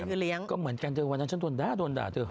อ๋อนี่คือเลี้ยงก็เหมือนกันเจ้าวันนั้นฉันโดนด้าโดนด่าเจ้า